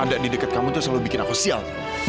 anda di dekat kamu itu selalu bikin aku sial